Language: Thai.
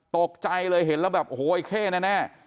ตกใจเลยเห็นแล้วบอกว่าไอ้เข้แน่